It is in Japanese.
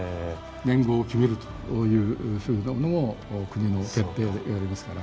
年号を決めるというふうなものも国の決定でやりますから。